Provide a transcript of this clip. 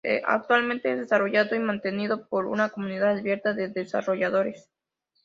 Actualmente es desarrollado y mantenido por una comunidad abierta de desarrolladores.